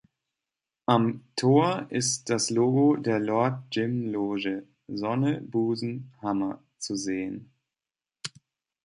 Am Tor ist das Logo der Lord Jim Loge, „Sonne Busen Hammer“, zu sehen.